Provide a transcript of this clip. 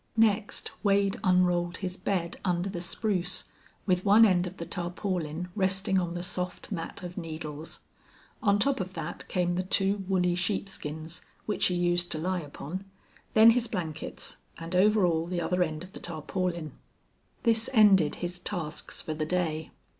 Next Wade unrolled his bed under the spruce, with one end of the tarpaulin resting on the soft mat of needles. On top of that came the two woolly sheepskins, which he used to lie upon, then his blankets, and over all the other end of the tarpaulin. This ended his tasks for the day.